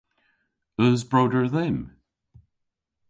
Eus broder dhymm?